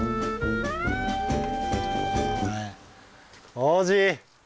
王子！